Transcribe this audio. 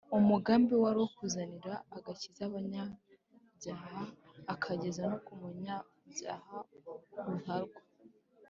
umugambi we wari uwo kuzanira agakiza abanyabyaha ukageza no ku munyabyaha ruharwa